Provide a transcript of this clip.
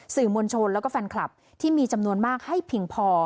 สื่อมวลชนแล้วก็แฟนคลับที่มีจำนวนมากให้เพียงพอ